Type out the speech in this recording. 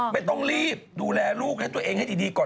ไม่ต้องรีบดูแลลูกให้ตัวเองให้ดีก่อน